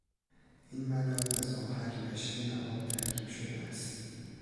این ملات از آهک و شن و آب ترکیب شده است.